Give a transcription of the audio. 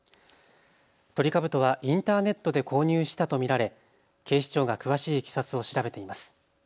トリカブトはインターネットで購入したと見られ警視庁が詳しいいきさつを調べています。